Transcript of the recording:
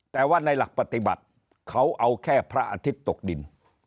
แต่ว่าในหลักปฏิบัติเขาเอาแค่พระอาทิตย์ตกดิน